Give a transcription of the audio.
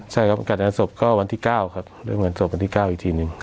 ใช่ครับกัดงานศพก็วันที่๙ครับวันที่๙อีกทีหนึ่ง